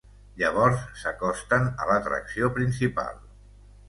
Llavors s'acosten a l'atracció principal.